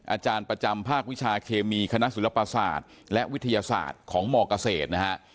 อาจารย์ประจำภาควิชาเคมีคณะศิลปศาสตร์และวิทยาศาสตร์ของมเกษตรนะฮะ